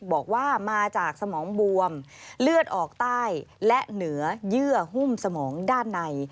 บอกว่ามาจากสมองบวมเลือดออกใต้และเหนือเยื่อหุ้มสมองด้านใน